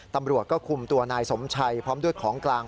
ตำรวจก็คุมตัวนายสมชัยพร้อมด้วยของกลาง